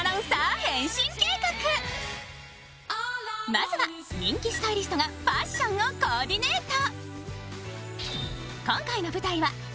まずは人気スタイリストがファッションをコーディネート。